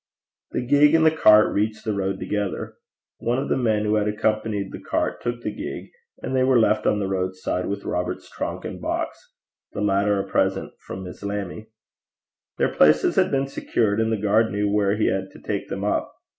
The gig and the cart reached the road together. One of the men who had accompanied the cart took the gig; and they were left on the road side with Robert's trunk and box the latter a present from Miss Lammie. Their places had been secured, and the guard knew where he had to take them up.